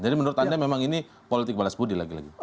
jadi menurut anda memang ini politik balas budi lagi lagi